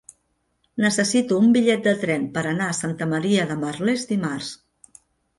Necessito un bitllet de tren per anar a Santa Maria de Merlès dimarts.